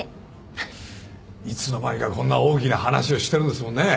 いつの間にかこんな大きな話をしてるんですもんねぇ。